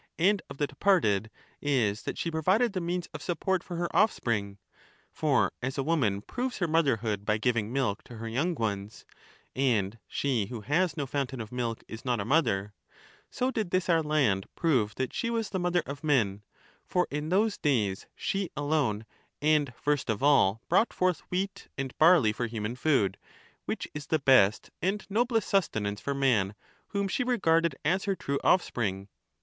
man, and of the departed, is that she provided the means of support proved her for her offspring For as a woman proves her motherhood true mother x ° x hood by pro by giving milk to her young ones (and she who has no vidingfood fountain of milk is not a mother), so did this our land prove f(";nerown '*■ offspring. that she was the mother of men, for in those days she alone and first of all brought forth wheat and barley for human 238 food, which is the best and noblest sustenance for man, whom she regarded as her true offspring.